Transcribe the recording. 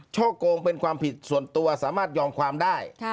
ช่อโกงเป็นความผิดส่วนตัวสามารถยอมความได้